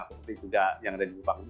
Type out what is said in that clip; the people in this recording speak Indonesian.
seperti juga yang ada di sipaku